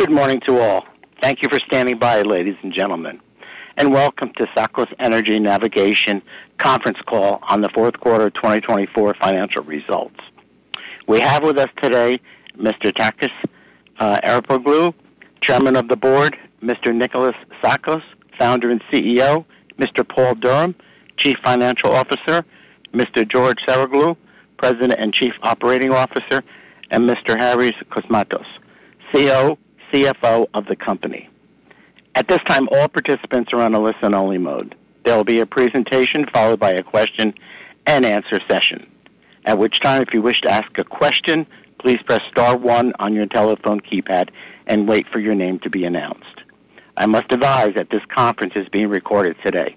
Good morning to all. Thank you for standing by, ladies and gentlemen, and welcome to Tsakos Energy Navigation conference call on the fourth quarter 2024 financial results. We have with us today Mr. Takis Arapoglou, Chairman of the Board; Mr. Nicolas Tsakos, Founder and CEO; Mr. Paul Durham, Chief Financial Officer; Mr. George Saroglou, President and Chief Operating Officer; and Mr. Harrys Kosmatos, CFO of the company. At this time, all participants are on a listen-only mode. There will be a presentation followed by a question-and-answer session, at which time, if you wish to ask a question, please press star one on your telephone keypad and wait for your name to be announced. I must advise that this conference is being recorded today.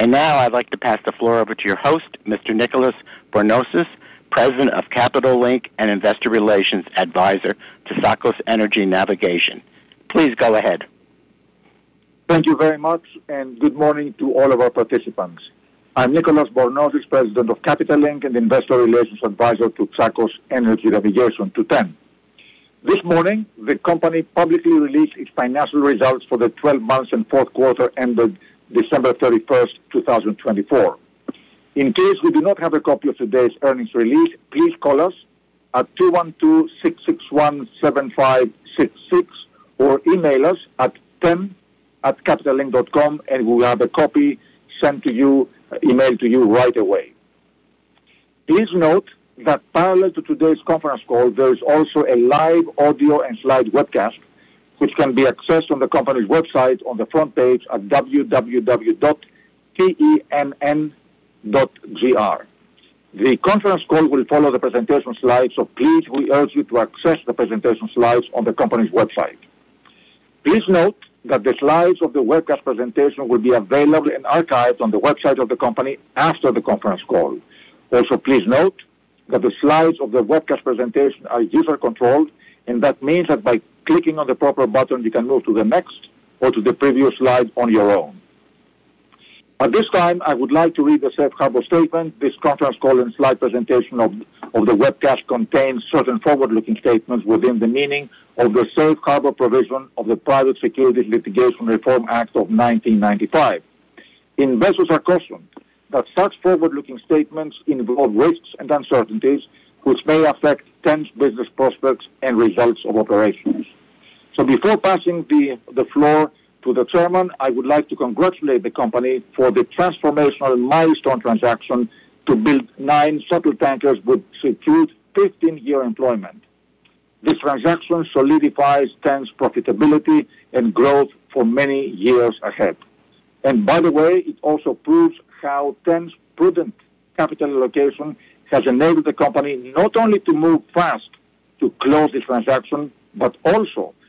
Now I'd like to pass the floor over to your host, Mr. Nicolas Bornozis, President of Capital Link and Investor Relations Advisor to Tsakos Energy Navigation. Please go ahead. Thank you very much, and good morning to all of our participants. I'm Nicolas Bornozis, President of Capital Link and Investor Relations Advisor to Tsakos Energy Navigation. This morning, the company publicly released its financial results for the 12 months and fourth quarter ended December 31st, 2024. In case you do not have a copy of today's earnings release, please call us at 212-661-7566 or email us at ten@capitallink.com, and we will have a copy sent to you, emailed to you right away. Please note that parallel to today's conference call, there is also a live audio and slide webcast, which can be accessed on the company's website on the front page at www.tenn.gr. The conference call will follow the presentation slides, so please, we urge you to access the presentation slides on the company's website. Please note that the slides of the webcast presentation will be available and archived on the website of the company after the conference call. Also, please note that the slides of the webcast presentation are user-controlled, and that means that by clicking on the proper button, you can move to the next or to the previous slide on your own. At this time, I would like to read the Safe Harbor Statement. This conference call and slide presentation of the webcast contains certain forward-looking statements within the meaning of the Safe Harbor Provision of the Private Securities Litigation Reform Act of 1995. Investors are cautioned that such forward-looking statements involve risks and uncertainties which may affect TEN's business prospects and results of operations. Before passing the floor to the Chairman, I would like to congratulate the company for the transformational milestone transaction to build nine shuttle tankers with secured 15-year employment. This transaction solidifies TEN's profitability and growth for many years ahead. By the way, it also proves how TEN's prudent capital allocation has enabled the company not only to move fast to close this transaction, but also to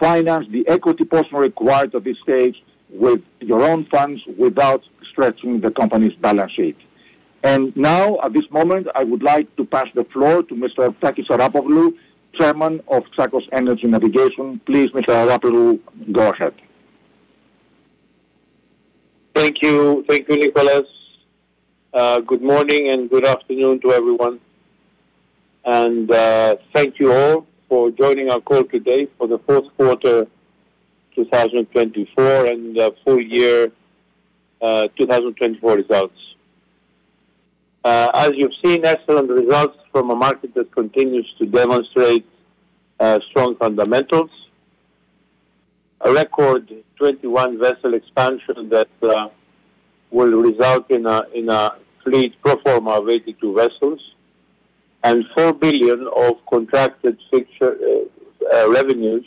finance the equity portion required at this stage with your own funds without stretching the company's balance sheet. At this moment, I would like to pass the floor to Mr. Takis Arapoglou, Chairman of Tsakos Energy Navigation. Please, Mr. Arapoglou, go ahead. Thank you. Thank you, Nicolas. Good morning and good afternoon to everyone. Thank you all for joining our call today for the fourth quarter 2024 and the full year 2024 results. As you've seen, excellent results from a market that continues to demonstrate strong fundamentals, a record 21 vessel expansion that will result in a fleet proforma of 82 vessels, and $4 billion of contracted revenues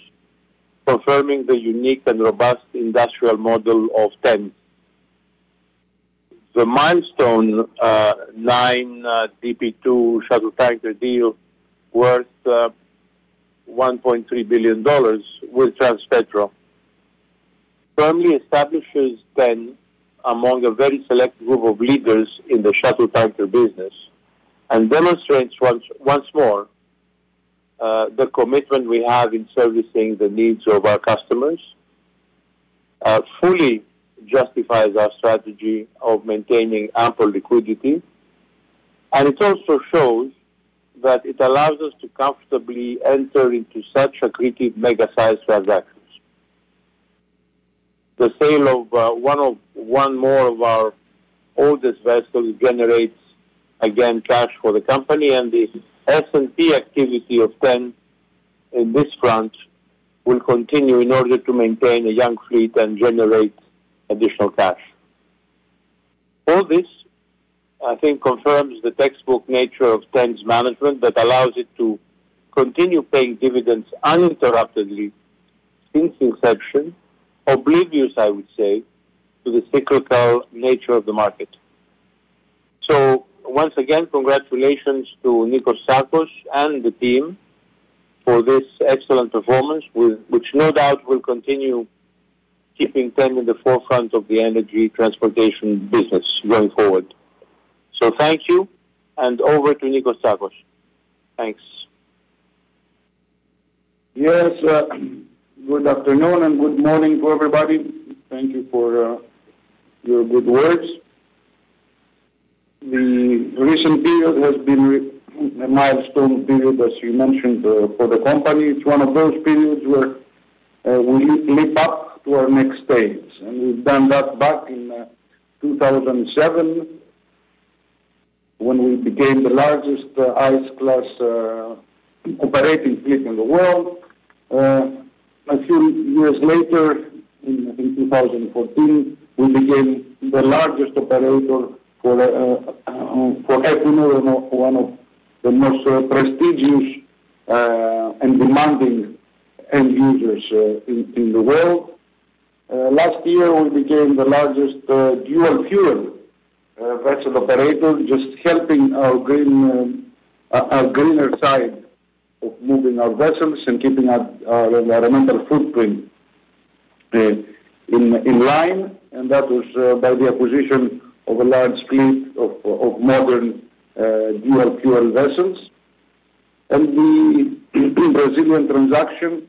confirming the unique and robust industrial model of TEN. The milestone nine DP2 shuttle tanker deal worth $1.3 billion with Transpetro firmly establishes TEN among a very select group of leaders in the shuttle tanker business and demonstrates once more the commitment we have in servicing the needs of our customers, fully justifies our strategy of maintaining ample liquidity, and it also shows that it allows us to comfortably enter into such accretive mega-sized transactions. The sale of one more of our oldest vessels generates, again, cash for the company, and the S&P activity of TEN in this front will continue in order to maintain a young fleet and generate additional cash. All this, I think, confirms the textbook nature of TEN's management that allows it to continue paying dividends uninterruptedly since inception, oblivious, I would say, to the cyclical nature of the market. Once again, congratulations to Nicolas Tsakos and the team for this excellent performance, which no doubt will continue keeping TEN in the forefront of the energy transportation business going forward. Thank you, and over to Nicolas Tsakos. Thanks. Yes. Good afternoon and good morning to everybody. Thank you for your good words. The recent period has been a milestone period, as you mentioned, for the company. It's one of those periods where we leap up to our next stage. We did that back in 2007 when we became the largest ice-class operating fleet in the world. A few years later, in 2014, we became the largest operator for Equinor, one of the most prestigious and demanding end users in the world. Last year, we became the largest dual-fuel vessel operator, just helping our greener side of moving our vessels and keeping our environmental footprint in line. That was by the acquisition of a large fleet of modern dual-fuel vessels. The Brazilian transaction,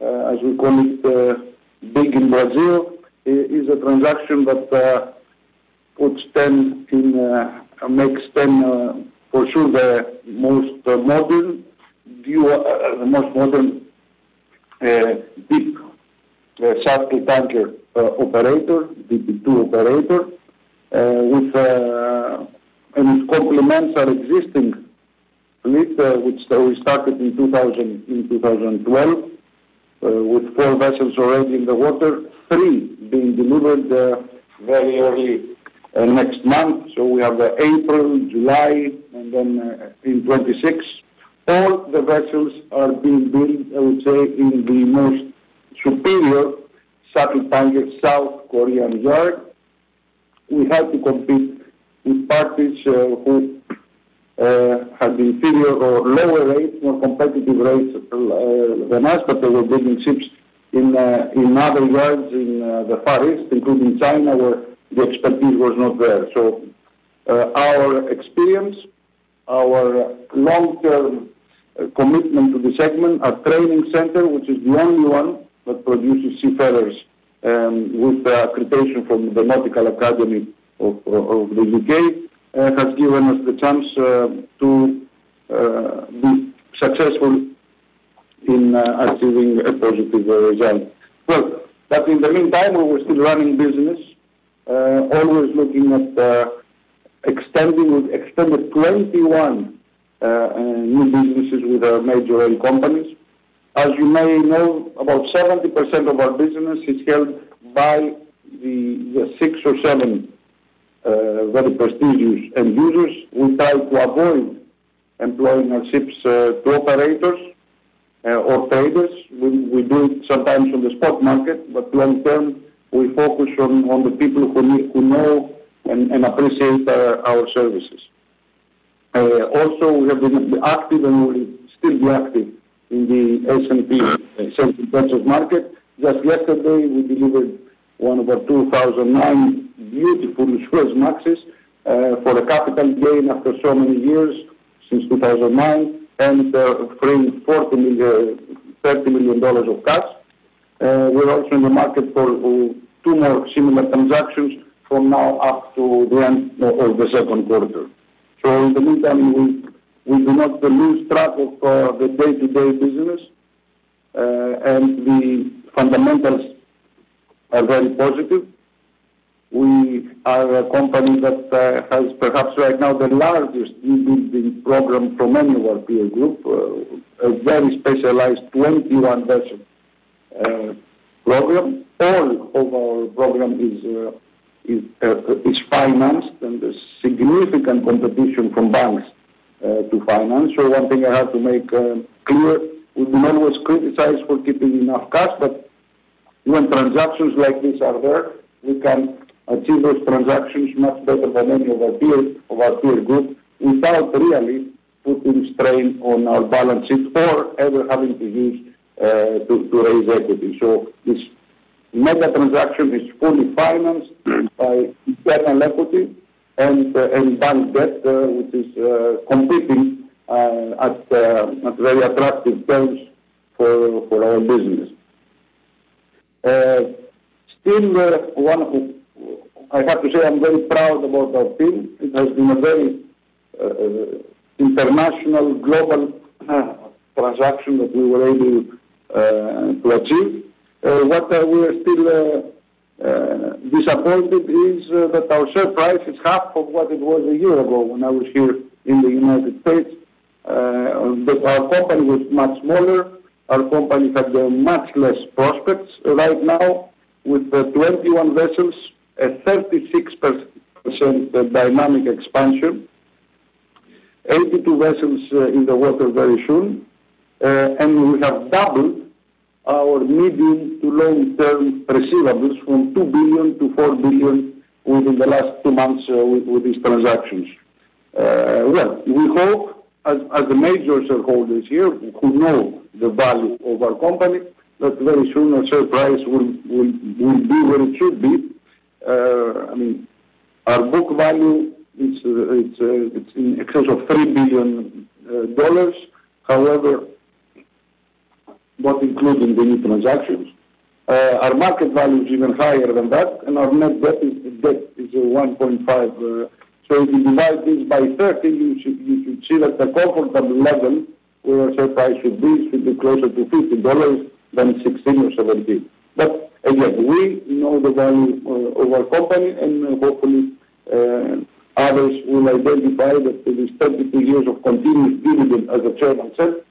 as we call it, big in Brazil, is a transaction that puts TEN in, makes TEN for sure the most modern, the most modern deep shuttle tanker operator, DP2 operator, and it complements our existing fleet, which we started in 2012 with four vessels already in the water, three being delivered very early next month. We have April, July, and then in 2026. All the vessels are being built, I would say, in the most superior shuttle tanker, South Korean yard. We had to compete with parties who had inferior or lower rates, more competitive rates than us, but they were building ships in other yards in the Far East, including China, where the expertise was not there. Our experience, our long-term commitment to the segment, our training center, which is the only one that produces seafarers with accreditation from the Nautical Academy of the U.K., has given us the chance to be successful in achieving a positive result. In the meantime, we're still running business, always looking at extending with extended 21 new businesses with our major companies. As you may know, about 70% of our business is held by the six or seven very prestigious end users. We try to avoid employing our ships to operators or traders. We do it sometimes on the spot market, but long-term, we focus on the people who know and appreciate our services. Also, we have been active and will still be active in the S&P [Central Ventures market. Just yesterday, we delivered one of our 2009 beautiful Suezmaxes for a capital gain after so many years since 2009 and freeing $30 million of cash. We're also in the market for two more similar transactions from now up to the end of the second quarter. In the meantime, we do not lose track of the day-to-day business, and the fundamentals are very positive. We are a company that has perhaps right now the largest new building program from any one peer group, a very specialized 21 vessel program. All of our program is financed, and there's significant competition from banks to finance. One thing I have to make clear, we've been always criticized for keeping enough cash, but when transactions like this are there, we can achieve those transactions much better than any of our peer group without really putting strain on our balance sheet or ever having to use to raise equity. This mega transaction is fully financed by general equity and bank debt, which is competing at very attractive terms for our business. Still, I have to say I'm very proud about our team. It has been a very international, global transaction that we were able to achieve. What we are still disappointed is that our share price is half of what it was a year ago when I was here in the United States. Our company was much smaller. Our company had much less prospects right now with 21 vessels, a 36% dynamic expansion, 82 vessels in the water very soon, and we have doubled our medium to long-term receivables from $2 billion to $4 billion within the last two months with these transactions. We hope, as the major shareholders here who know the value of our company, that very soon our share price will be where it should be. I mean, our book value is in excess of $3 billion. However, not including the new transactions, our market value is even higher than that, and our net debt is $1.5 billion. If you divide this by 30, you should see that the comfortable level where our share price should be should be closer to $50 than $16 or $17. We know the value of our company, and hopefully, others will identify that this 32 years of continuous dividend, as the Chairman said,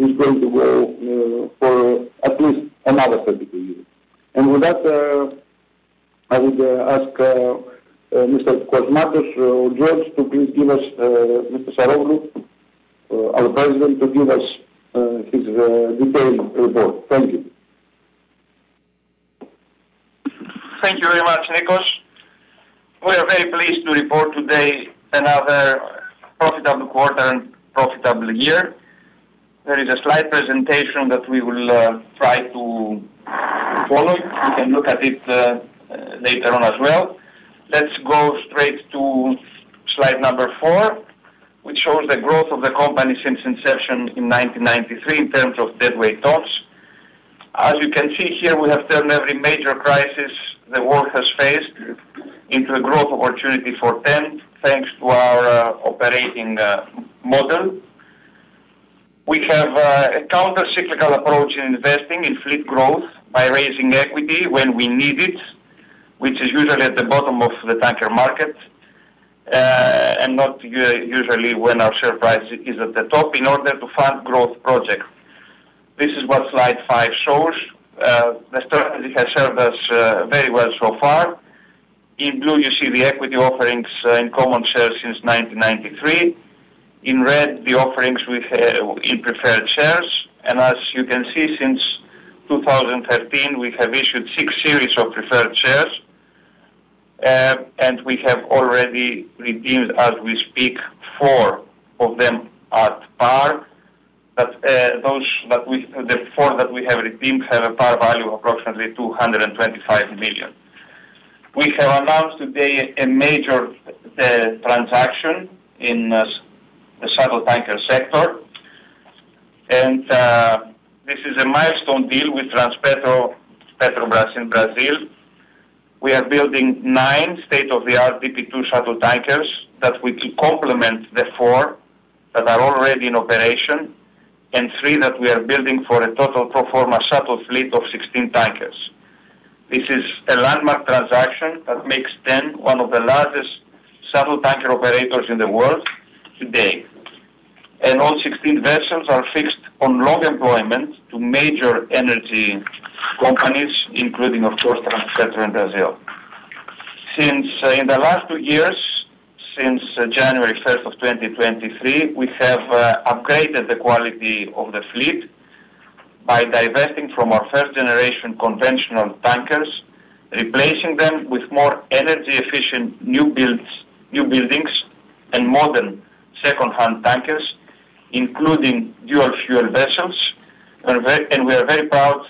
is going to go for at least another 32 years. With that, I would ask Mr. Kosmatos or George to please give us, Mr. Saroglou, our President, to give us his detailed report. Thank you. Thank you very much, Nicolas. We are very pleased to report today another profitable quarter and profitable year. There is a slide presentation that we will try to follow. You can look at it later on as well. Let's go straight to slide number four, which shows the growth of the company since inception in 1993 in terms of deadweight tons. As you can see here, we have turned every major crisis the world has faced into a growth opportunity for TEN thanks to our operating model. We have a counter-cyclical approach in investing in fleet growth by raising equity when we need it, which is usually at the bottom of the tanker market and not usually when our share price is at the top in order to fund growth projects. This is what Slide 5 shows. The strategy has served us very well so far. In blue, you see the equity offerings in common shares since 1993. In red, the offerings in preferred shares. As you can see, since 2013, we have issued six series of preferred shares, and we have already redeemed, as we speak, four of them at par. The four that we have redeemed have a par value of approximately $225 million. We have announced today a major transaction in the shuttle tanker sector, and this is a milestone deal with Transpetro Petrobras in Brazil. We are building nine state-of-the-art DP2 shuttle tankers that will complement the four that are already in operation and three that we are building for a total proforma shuttle fleet of 16 tankers. This is a landmark transaction that makes TEN one of the largest shuttle tanker operators in the world today. All 16 vessels are fixed on long employment to major energy companies, including, of course, Transpetro in Brazil. Since in the last two years, since January 1st of 2023, we have upgraded the quality of the fleet by divesting from our first-generation conventional tankers, replacing them with more energy-efficient new buildings and modern second-hand tankers, including dual-fuel vessels. We are very proud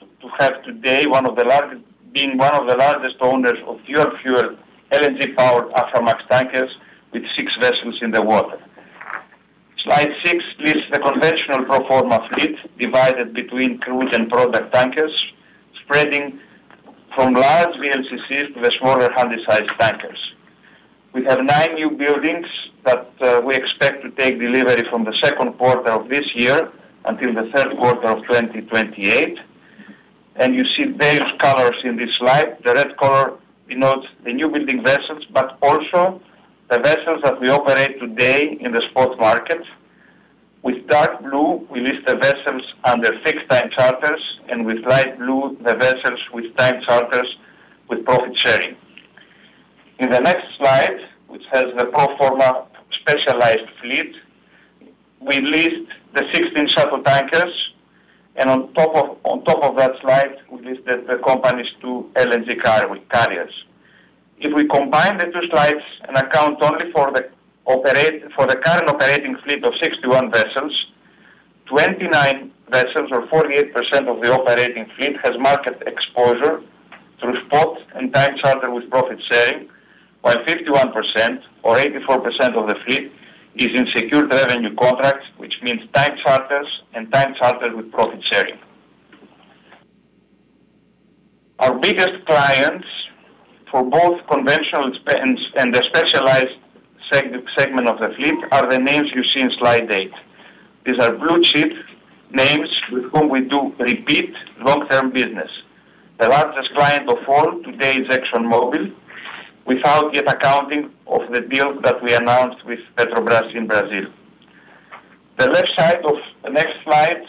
to have today one of the largest, being one of the largest owners of dual-fuel LNG-powered Aframax tankers with six vessels in the water. Slide six lists the conventional proforma fleet divided between crude and product tankers, spreading from large VLCCs to the smaller handysize tankers. We have nine new buildings that we expect to take delivery from the second quarter of this year until the third quarter of 2028. You see various colors in this slide. The red color denotes the new building vessels, but also the vessels that we operate today in the spot market. With dark blue, we list the vessels under fixed-time charters, and with light blue, the vessels with time charters with profit sharing. In the next slide, which has the proforma specialized fleet, we list the 16 shuttle tankers, and on top of that slide, we listed the company's two LNG carriers. If we combine the two slides and account only for the current operating fleet of 61 vessels, 29 vessels or 48% of the operating fleet has market exposure through spot and time charter with profit sharing, while 51% or 84% of the fleet is in secured revenue contracts, which means time charters and time charters with profit sharing. Our biggest clients for both conventional and the specialized segment of the fleet are the names you see in Slide 8. These are blue-chip names with whom we do repeat long-term business. The largest client of all today is ExxonMobil without yet accounting for the deal that we announced with Petrobras in Brazil. The left side of the next slide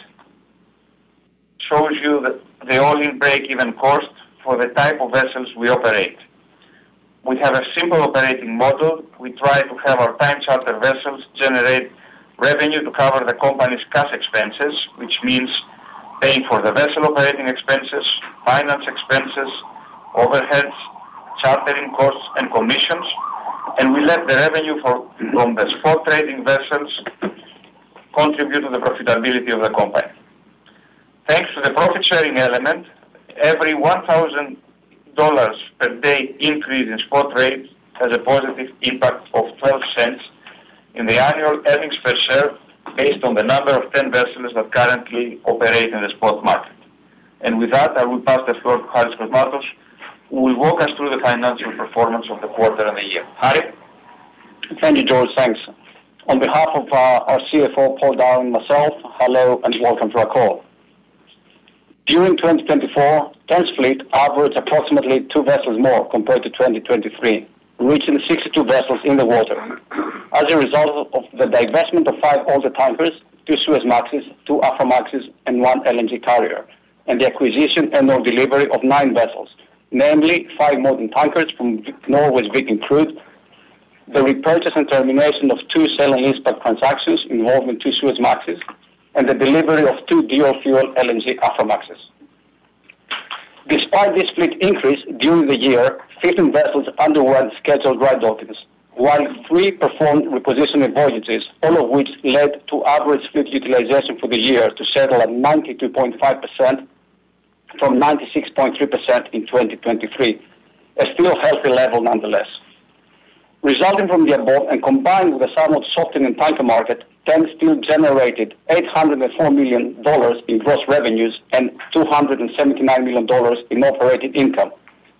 shows you the all-in break-even cost for the type of vessels we operate. We have a simple operating model. We try to have our time charter vessels generate revenue to cover the company's cash expenses, which means paying for the vessel operating expenses, finance expenses, overheads, chartering costs, and commissions. We let the revenue from the spot trading vessels contribute to the profitability of the company. Thanks to the profit sharing element, every $1,000 per day increase in spot rate has a positive impact of $0.12 in the annual earnings per share based on the number of 10 vessels that currently operate in the spot market. I will pass the floor to Harrys Kosmatos, who will walk us through the financial performance of the quarter and the year. Hi. Thank you, George. Thanks. On behalf of our CFO, Paul Durham, myself, hello and welcome to our call. During 2024, TEN's fleet averaged approximately two vessels more compared to 2023, reaching 62 vessels in the water. As a result of the divestment of five older tankers, two Suezmaxes, two Aframaxes, and one LNG carrier, and the acquisition and/or delivery of nine vessels, namely five modern tankers from Norway's Viken Crude, the repurchase and termination of two sale and leaseback transactions involving two Suezmaxes, and the delivery of two dual-fuel LNG Aframaxes. Despite this fleet increase during the year, 15 vessels underwent scheduled dry dockings, while three performed repositioning voyages, all of which led to average fleet utilization for the year to settle at 92.5% from 96.3% in 2023, a still healthy level nonetheless. Resulting from the above and combined with the somewhat softening tanker market, TEN still generated $804 million in gross revenues and $279 million in operating income,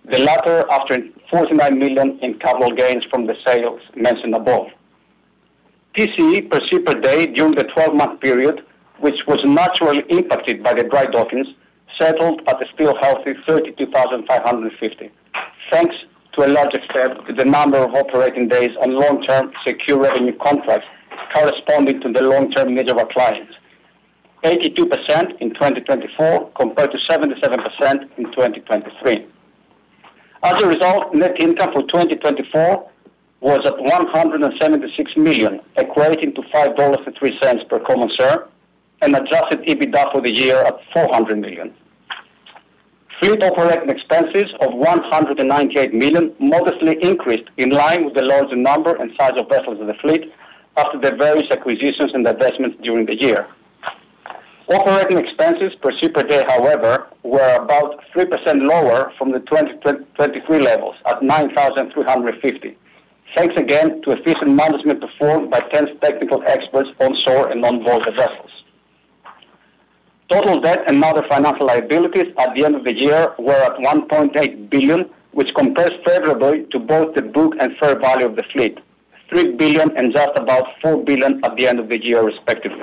the latter after $49 million in capital gains from the sales mentioned above. TCE per ship per day during the 12-month period, which was naturally impacted by the dry dockings, settled at a still healthy $32,550, thanks to a large extent to the number of operating days on long-term secure revenue contracts corresponding to the long-term needs of our clients, 82% in 2024 compared to 77% in 2023. As a result, net income for 2024 was at $176 million, equating to $5.03 per common share, and adjusted EBITDA for the year at $400 million. Fleet operating expenses of $198 million modestly increased in line with the larger number and size of vessels in the fleet after the various acquisitions and divestments during the year. Operating expenses per ship per day, however, were about 3% lower from the 2023 levels at $9,350, thanks again to efficient management performed by TEN's technical experts on shore and onboard vessels. Total debt and other financial liabilities at the end of the year were at $1.8 billion, which compares favorably to both the book and fair value of the fleet, $3 billion and just about $4 billion at the end of the year, respectively.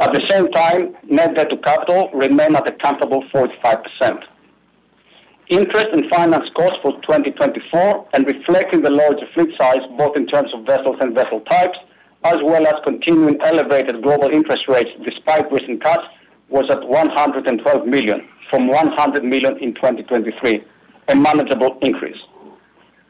At the same time, net debt to capital remained at a comparable 45%. Interest and finance costs for 2024, and reflecting the larger fleet size both in terms of vessels and vessel types, as well as continuing elevated global interest rates despite recent cuts, was at $112 million from $100 million in 2023, a manageable increase.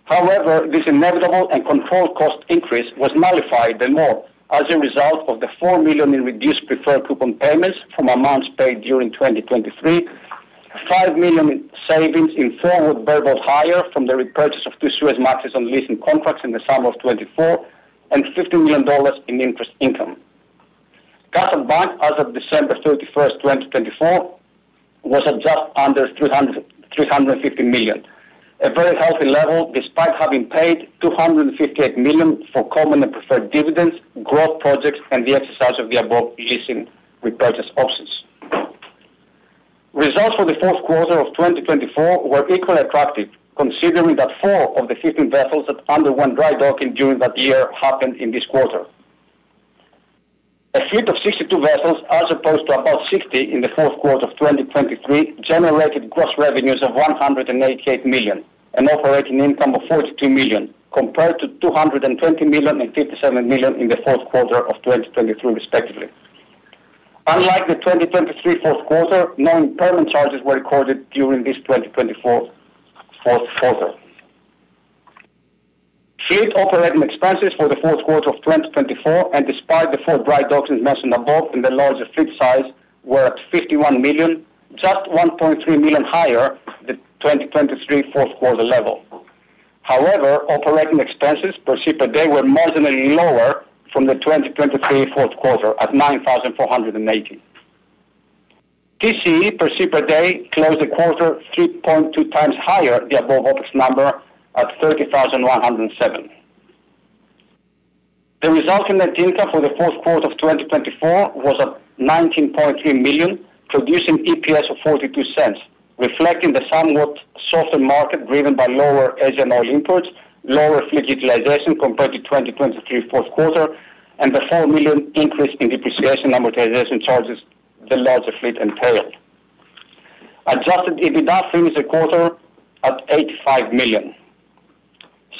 However, this inevitable and controlled cost increase was nullified by more as a result of the $4 million in reduced preferred coupon payments from amounts paid during 2023, $5 million in savings in forward variable hire from the repurchase of two Suezmaxes on leasing contracts in the summer of 2024, and $50 million in interest income. Cash at bank, as of December 31st, 2024, was at just under $350 million, a very healthy level despite having paid $258 million for common and preferred dividends, growth projects, and the exercise of the above leasing repurchase options. Results for the fourth quarter of 2024 were equally attractive, considering that four of the 15 vessels that underwent dry docking during that year happened in this quarter. A fleet of 62 vessels, as opposed to about 60 in the fourth quarter of 2023, generated gross revenues of $188 million and operating income of $42 million, compared to $220 million and $57 million in the fourth quarter of 2023, respectively. Unlike the 2023 fourth quarter, no impairment charges were recorded during this 2024 fourth quarter. Fleet operating expenses for the fourth quarter of 2024, and despite the four dry dockings mentioned above and the larger fleet size, were at $51 million, just $1.3 million higher than the 2023 fourth quarter level. However, operating expenses per ship per day were marginally lower from the 2023 fourth quarter at $9,480. TCE per ship per day closed the quarter 3.2x higher than the above opex number at $30,107. The resulting net income for the fourth quarter of 2024 was at $19.3 million, producing EPS of $0.42, reflecting the somewhat softer market driven by lower Asian oil imports, lower fleet utilization compared to 2023 fourth quarter, and the $4 million increase in depreciation and amortization charges the larger fleet entailed. Adjusted EBITDA finished the quarter at $85 million.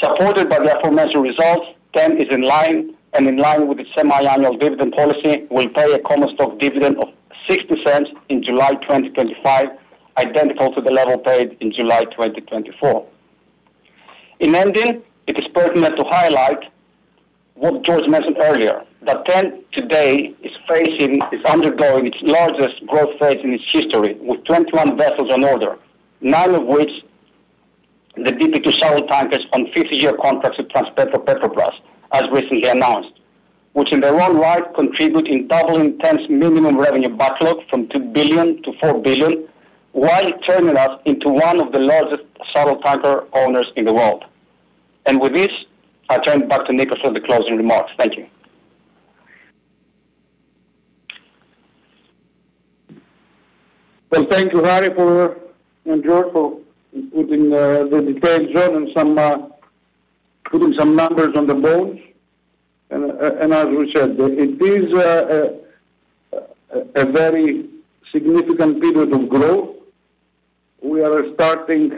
Supported by the aforementioned results, TEN is in line and in line with its semi-annual dividend policy, will pay a common stock dividend of $0.60 in July 2025, identical to the level paid in July 2024. In ending, it is pertinent to highlight what George mentioned earlier, that TEN today is undergoing its largest growth phase in its history, with 21 vessels on order, nine of which are the DP2 shuttle tankers on 15-year contracts with Transpetro Petrobras, as recently announced, which in their own right contribute in doubling TEN's minimum revenue backlog from $2 billion to $4 billion, while turning us into one of the largest shuttle tanker owners in the world. With this, I turn back to Nicolas for the closing remarks. Thank you. Thank you, Harry and George, for putting the details on and putting some numbers on the bones. As we said, it is a very significant period of growth. We are starting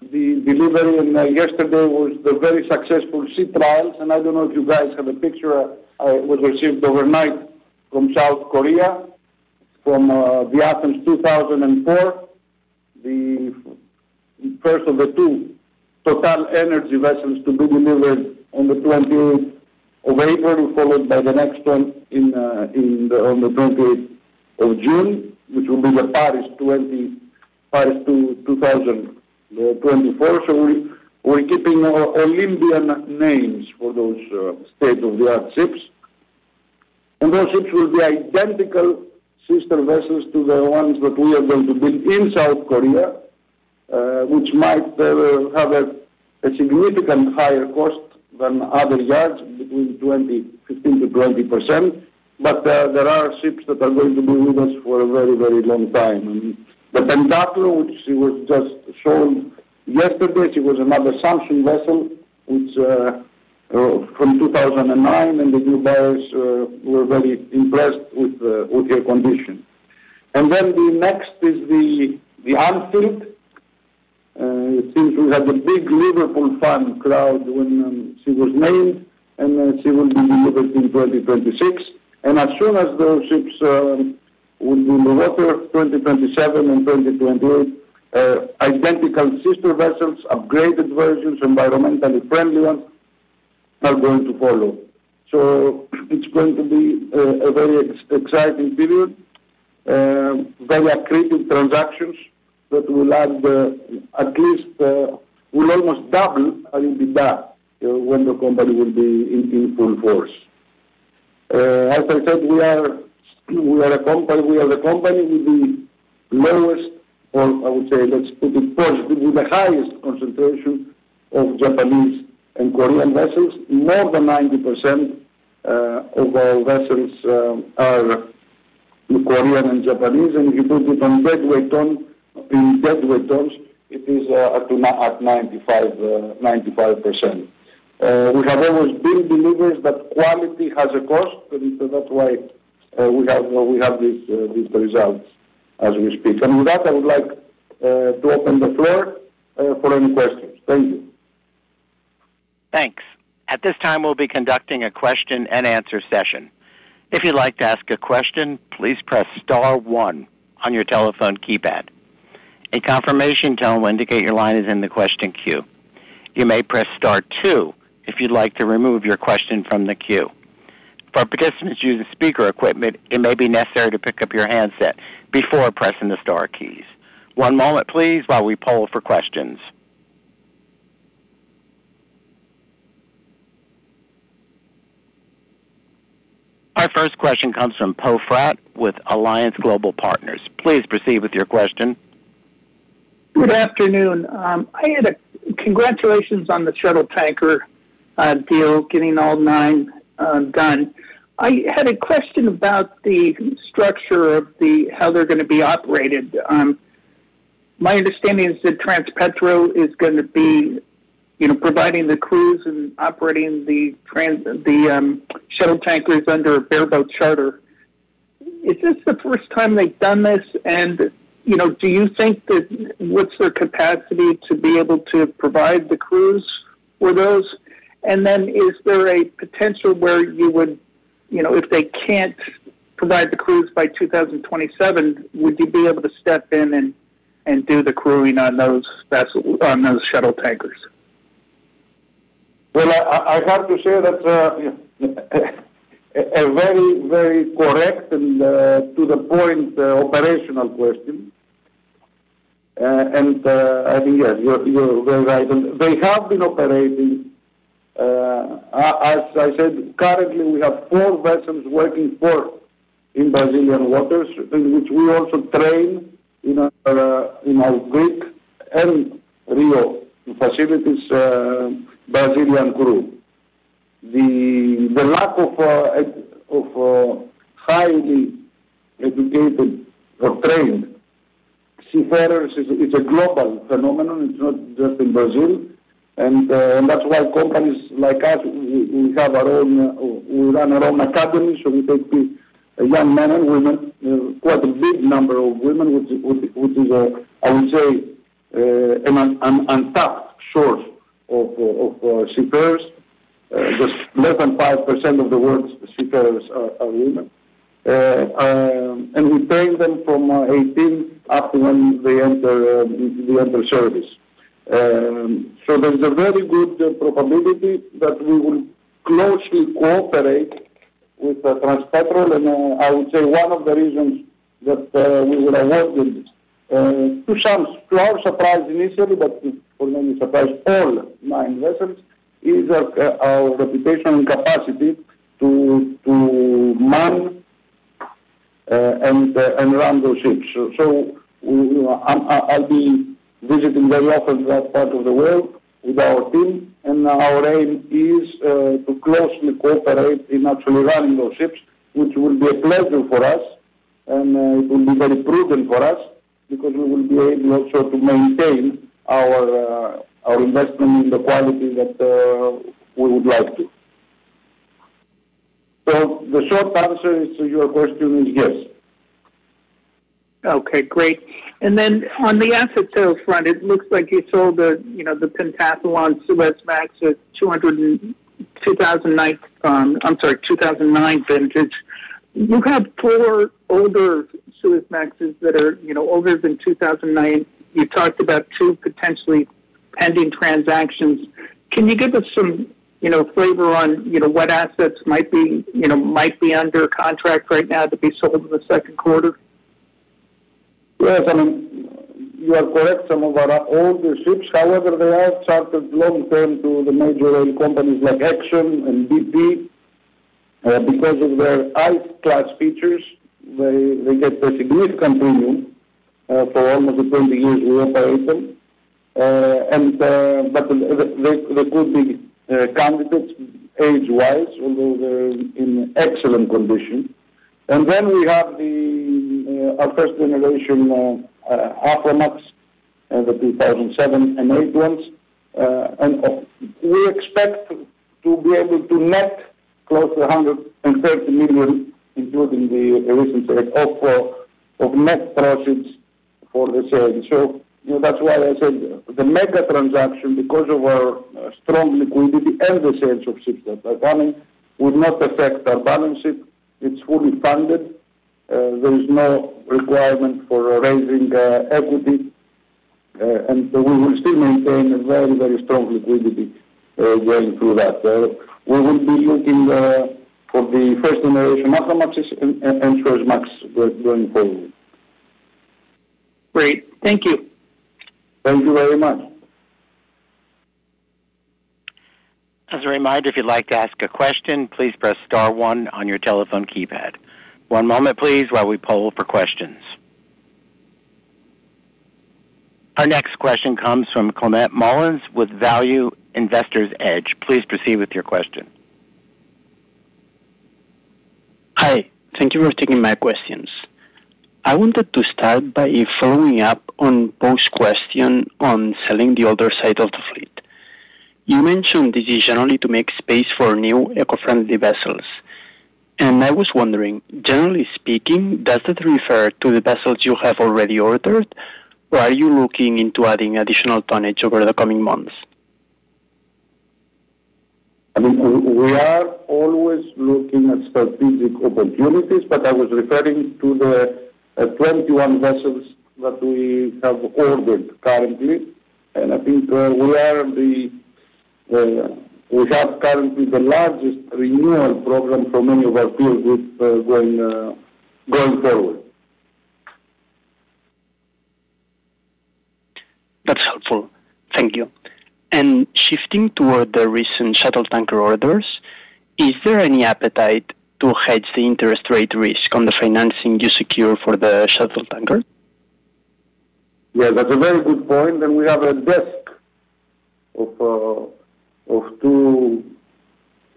the delivery, and yesterday was the very successful sea trials. I do not know if you guys have a picture. It was received overnight from South Korea from the Athens 2004, the first of the two TotalEnergies vessels to be delivered on the 28th of April, followed by the next one on the 28th of June, which will be the Paris 2024. We are keeping Olympian names for those state-of-the-art ships. Those ships will be identical sister vessels to the ones that we are going to build in South Korea, which might have a significantly higher cost than other yards, between 15%-20%. There are ships that are going to be with us for a very, very long time. The Pentathlon, which was just sold yesterday, she was another Samsung vessel from 2009, and the new buyers were very impressed with her condition. The next is the Anfield. It seems we had a big Liverpool fan crowd when she was named, and she will be delivered in 2026. As soon as those ships will be in the water, 2027 and 2028, identical sister vessels, upgraded versions, environmentally friendly ones are going to follow. It is going to be a very exciting period, very accretive transactions that will add at least will almost double EBITDA when the company will be in full force. As I said, we are a company, we are the company with the lowest, or I would say, let's put it positive, with the highest concentration of Japanese and Korean vessels. More than 90% of our vessels are Korean and Japanese. If you put it on deadweight tonnes, it is at 95%. We have always been believers that quality has a cost, and that's why we have these results as we speak. With that, I would like to open the floor for any questions. Thank you. Thanks. At this time, we'll be conducting a question-and-answer session. If you'd like to ask a question, please press star one on your telephone keypad. A confirmation tone will indicate your line is in the question queue. You may press star two if you'd like to remove your question from the queue. For participants using speaker equipment, it may be necessary to pick up your handset before pressing the star keys. One moment, please, while we poll for questions. Our first question comes from Poe Fratt with Alliance Global Partners. Please proceed with your question. Good afternoon. Congratulations on the shuttle tanker deal, getting all nine done. I had a question about the structure of how they're going to be operated. My understanding is that Transpetro is going to be providing the crews and operating the shuttle tankers under a bareboat charter. Is this the first time they've done this? Do you think that what's their capacity to be able to provide the crews for those? Is there a potential where you would, if they can't provide the crews by 2027, would you be able to step in and do the crewing on those shuttle tankers? I have to say that's a very, very correct and to the point operational question. I think, yes, you're very right. They have been operating. As I said, currently, we have four vessels working in Brazilian waters, in which we also train in our Greek and Rio facilities Brazilian crew. The lack of highly educated or trained seafarers is a global phenomenon. It's not just in Brazil. That's why companies like us, we have our own, we run our own academy, so we take the young men and women, quite a big number of women, which is, I would say, an untapped shore of seafarers. Just less than 5% of the world's seafarers are women. We train them from 18 up to when they enter service. There's a very good probability that we will closely cooperate with Transpetro. I would say one of the reasons that we were awarded, to our surprise initially, but for many surprise, all nine vessels, is our reputation and capacity to man and run those ships. I will be visiting very often that part of the world with our team. Our aim is to closely cooperate in actually running those ships, which will be a pleasure for us, and it will be very prudent for us because we will be able also to maintain our investment in the quality that we would like to. The short answer to your question is yes. Okay. Great. On the assets front, it looks like you sold the Pentathlon Suezmax, 2009 vintage. You have four older Suezmaxes that are older than 2009. You talked about two potentially pending transactions. Can you give us some flavor on what assets might be under contract right now to be sold in the second quarter? Yes. I mean, you are correct. Some of our older ships, however, they are chartered long-term to the major oil companies like ExxonMobil and BP. Because of their high-class features, they get a significant premium for almost 20 years we operate them. There could be candidates age-wise, although they're in excellent condition. We have our first-generation Aframax, the 2007 and 2008 ones. We expect to be able to net close to $130 million, including the recent sales of net profits for the sales. That is why I said the mega transaction, because of our strong liquidity and the sales of ships that are coming, would not affect our balance sheet. It's fully funded. There is no requirement for raising equity. We will still maintain a very, very strong liquidity going through that. We will be looking for the first-generation Aframax and Suezmax going forward. Great. Thank you. Thank you very much. As a reminder, if you'd like to ask a question, please press star one on your telephone keypad. One moment, please, while we poll for questions. Our next question comes from Climent Molins with Value Investor's Edge. Please proceed with your question. Hi. Thank you for taking my questions. I wanted to start by following up on Poe's question on selling the older side of the fleet. You mentioned decision only to make space for new eco-friendly vessels. I was wondering, generally speaking, does that refer to the vessels you have already ordered, or are you looking into adding additional tonnage over the coming months? I mean, we are always looking at strategic opportunities, but I was referring to the 21 vessels that we have ordered currently. I think we have currently the largest renewal program for many of our fields going forward. That's helpful. Thank you. Shifting toward the recent shuttle tanker orders, is there any appetite to hedge the interest rate risk on the financing you secure for the shuttle tanker? Yes, that's a very good point. We have a desk of two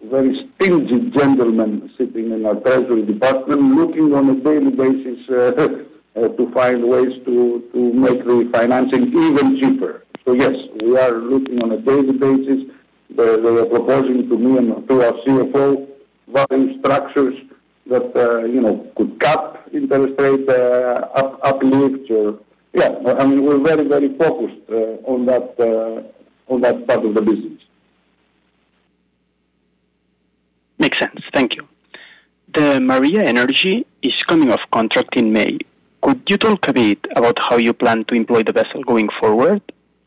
very stingy gentlemen sitting in our treasury department looking on a daily basis to find ways to make the financing even cheaper. Yes, we are looking on a daily basis. They are proposing to me and to our CFO various structures that could cap interest rate uplift or, yeah. I mean, we're very, very focused on that part of the business. Makes sense. Thank you. The Maria Energy is coming off contract in May. Could you talk a bit about how you plan to employ the vessel going forward?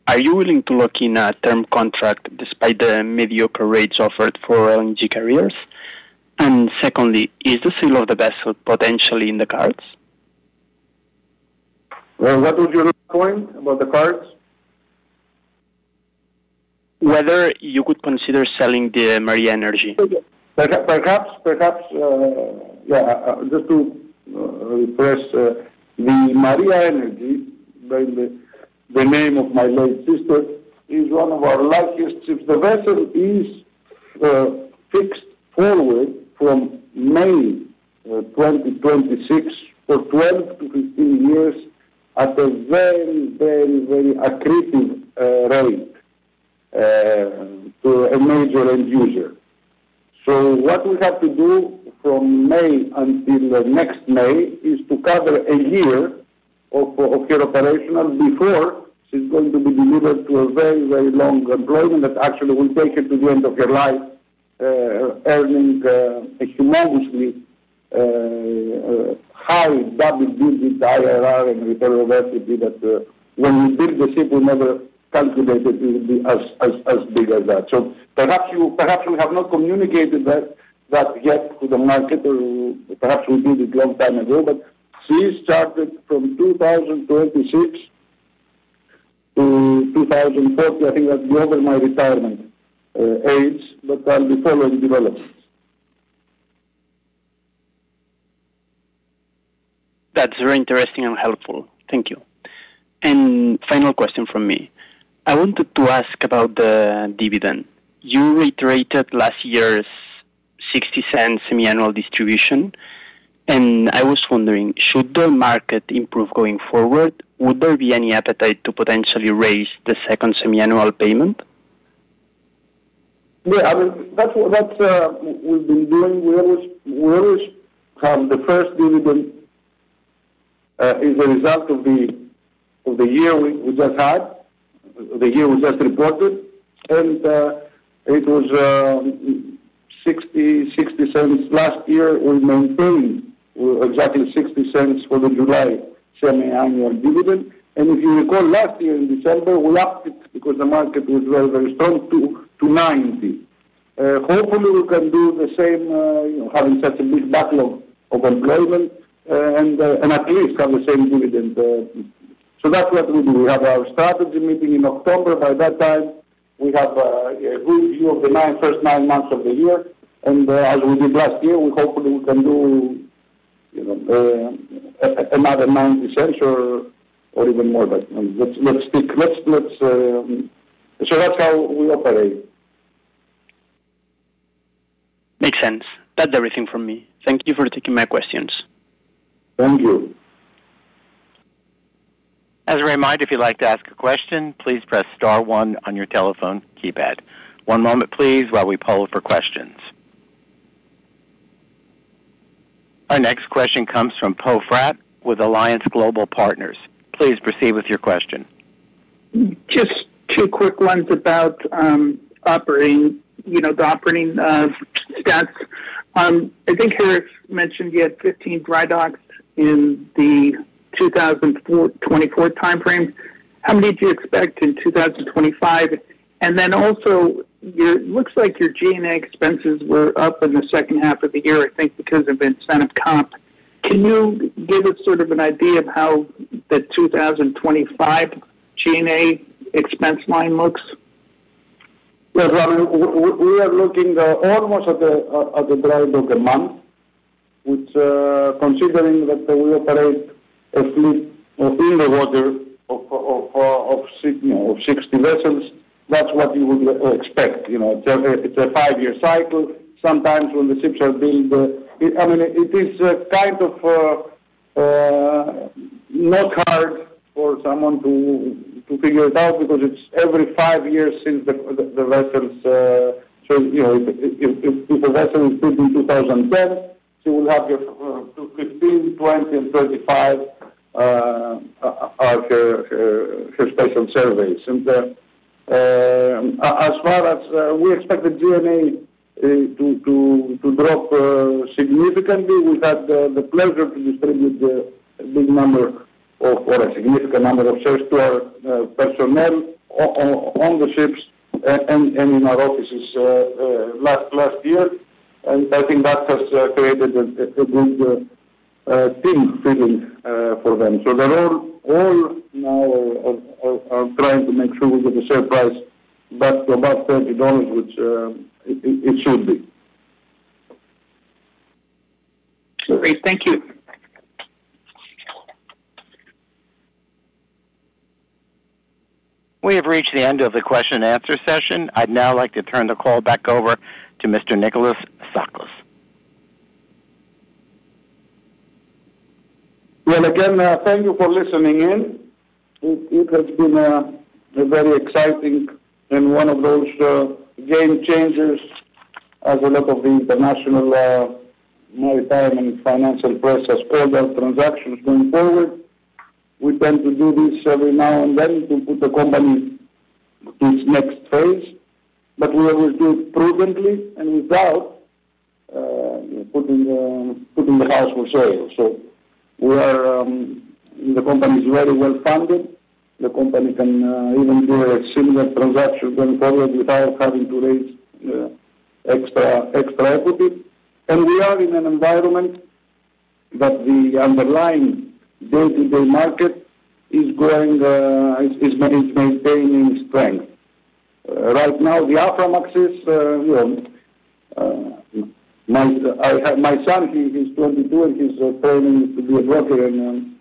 Are you willing to lock in a term contract despite the mediocre rates offered for LNG carriers? Secondly, is the sale of the vessel potentially in the cards? That was your point about the cards? Whether you could consider selling the Maria Energy. Perhaps, perhaps, yeah, just to refresh, the Maria Energy, the name of my late sister, is one of our largest ships. The vessel is fixed forward from May 2026 for 12-15 years at a very, very, very accretive rate to a major end user. What we have to do from May until next May is to cover a year of her operation before she's going to be delivered to a very, very long employment that actually will take her to the end of her life, earning a humongously high double-digit IRR and return on equity that when we build the ship, we never calculated it would be as big as that. Perhaps we have not communicated that yet to the market, or perhaps we did it a long time ago, but she is chartered from 2026 to 2040. I think that's over my retirement age, but I'll be following developments. That's very interesting and helpful. Thank you. Final question from me. I wanted to ask about the dividend. You reiterated last year's $0.60 semiannual distribution. I was wondering, should the market improve going forward, would there be any appetite to potentially raise the second semiannual payment? Yeah. I mean, that's what we've been doing. We always have the first dividend as a result of the year we just had, the year we just reported. And it was $0.60 last year. We maintained exactly $0.60 for the July semiannual dividend. If you recall, last year in December, we upped it because the market was very, very strong to $0.90. Hopefully, we can do the same, having such a big backlog of employment, and at least have the same dividend. That's what we do. We have our strategy meeting in October. By that time, we have a good view of the first nine months of the year. As we did last year, hopefully, we can do another $0.90 or even more, but let's stick. That's how we operate. Makes sense. That's everything from me. Thank you for taking my questions. Thank you. As a reminder, if you'd like to ask a question, please press star one on your telephone keypad. One moment, please, while we poll for questions. Our next question comes from Poe Fratt with Alliance Global Partners. Please proceed with your question. Just two quick ones about the operating stats. I think Harrys mentioned you had 15 dry docks in the 2024 timeframe. How many do you expect in 2025? Also, it looks like your G&A expenses were up in the second half of the year, I think, because of incentive comp. Can you give us sort of an idea of how the 2025 G&A expense line looks? Yes. I mean, we are looking almost at the dry docks a month, which, considering that we operate a fleet in the water of 60 vessels, that's what you would expect. It's a five-year cycle. Sometimes when the ships are built, I mean, it is kind of not hard for someone to figure it out because it's every five years since the vessels. So if a vessel is built in 2010, she will have 15, 20, and 35 of her special service. As far as we expect the G&A to drop significantly, we've had the pleasure to distribute a big number of or a significant number of shares to our personnel on the ships and in our offices last year. I think that has created a good team feeling for them. They're all now trying to make sure we get the share price back to about $30, which it should be. Great. Thank you. We have reached the end of the question-and-answer session. I'd now like to turn the call back over to Mr. Nicolas Tsakos. Thank you for listening in. It has been a very exciting and one of those game changers, as a lot of the international maritime and financial press has called our transactions going forward. We tend to do this every now and then to put the company to its next phase, but we always do it prudently and without putting the house for sale. The company is very well funded. The company can even do a similar transaction going forward without having to raise extra equity. We are in an environment that the underlying day-to-day market is maintaining strength. Right now, the Aframaxes, my son, he's 22, and he's training to be a broker in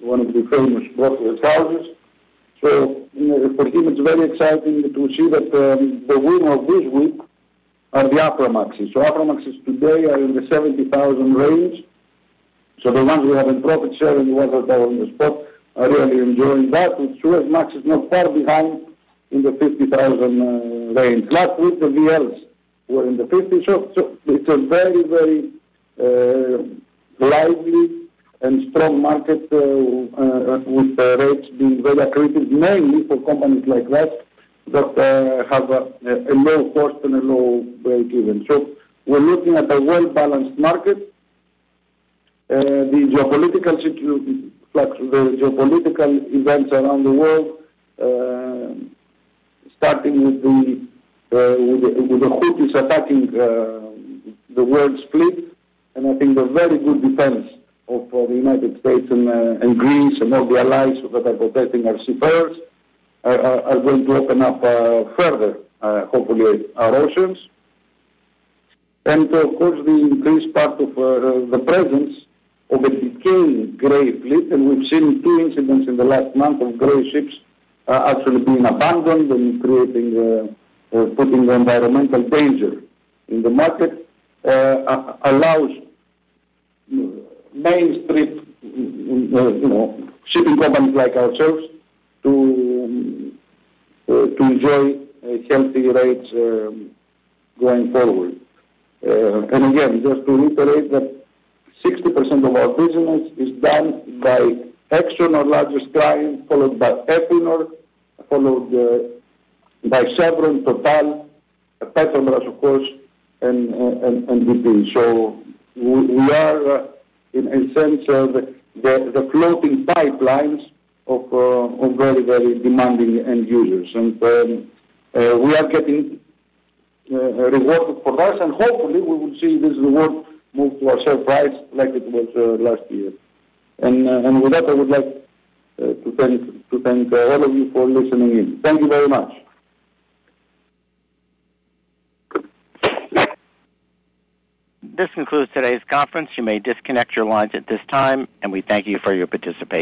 one of the famous brokerage houses. For him, it's very exciting to see that the winner of this week are the Aframaxes. Aframaxes today are in the 70,000 range. The ones we have in profit share and the ones that are on the spot are really enjoying that. Suezmaxes is not far behind in the $50,000 range. Last week, the VLs were in the $50,000. It is a very, very lively and strong market with rates being very accretive, mainly for companies like that that have a low cost and a low break-even. We are looking at a well-balanced market. The geopolitical events around the world, starting with the Houthis attacking the world's fleet, and I think the very good defense of the United States and Greece and all the allies that are protecting our seafarers are going to open up further, hopefully, our oceans. Of course, the increased part of the presence of a decaying gray fleet, and we've seen two incidents in the last month of gray ships actually being abandoned and putting environmental danger in the market, allows mainstream shipping companies like ourselves to enjoy healthy rates going forward. Again, just to reiterate that 60% of our business is done by ExxonMobil, our largest client, followed by Equinor, followed by Chevron, TotalEnergies, Petronas, of course, and BP. We are, in a sense, the floating pipelines of very, very demanding end users. We are getting rewarded for that. Hopefully, we will see this reward move to our share price like it was last year. With that, I would like to thank all of you for listening in. Thank you very much. This concludes today's conference. You may disconnect your lines at this time, and we thank you for your participation.